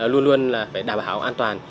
luôn luôn là phải đảm bảo an toàn